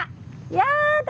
やだ！